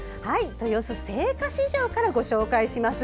豊洲青果市場からご紹介します。